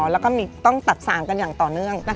แล้วก็ต้องตัดสารกันอย่างต่อเนื่อง